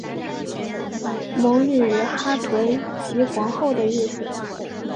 蒙语哈屯即皇后的意思。